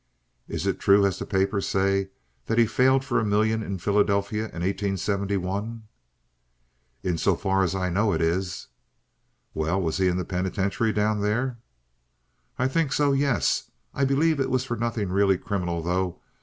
"Is it true, as the papers say, that he failed for a million in Philadelphia in 1871?" "In so far as I know, it is." "Well, was he in the penitentiary down there?" "I think so—yes. I believe it was for nothing really criminal, though.